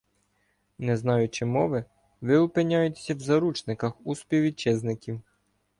Не знаючи мови, ви опиняєтеся в заручниках у співвітчизників